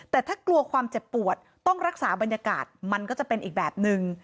แต่ถ้ากลัวความเจ็บปวดต้องรักษาบรรยากาศมันก็จะเป็นอีกแบบนึง